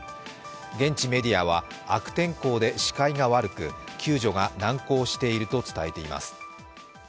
現地メディアは、悪天候で視界が悪く、救助が難航していると伝えています。